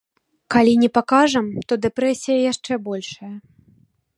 Калі не пакажам, то дэпрэсія яшчэ большая.